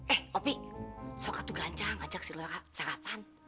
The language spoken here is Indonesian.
eh opi sokak tuh ganjang ajak si laura ke sarapan